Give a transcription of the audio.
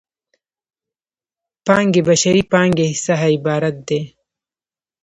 پانګې بشري پانګې څخه عبارت دی.